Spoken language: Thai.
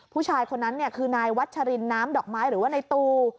ผู้ชายคนนั้นคือนายวัชรินน้ำดอกไม้หรือว่าในตู